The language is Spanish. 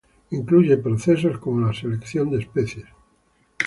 Incluye procesos como la selección de especies.